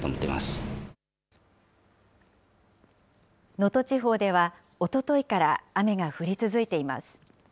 能登地方ではおとといから雨が降り続いています。